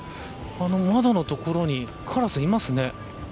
あの窓のところにカラスがいますね。